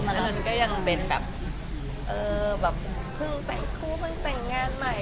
อันนั้นก็ยังเป็นแบบเออแบบคือตั้งคู่ต่างงานใหม่